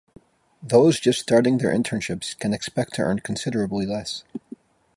Those just starting their internships can expect to earn considerably less.